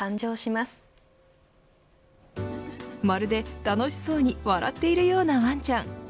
まるで楽しそうに笑っているようなワンちゃん。